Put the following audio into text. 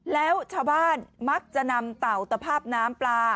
แล้วชาวบ้านมักจะนำเต่าตภาพน้ำปลา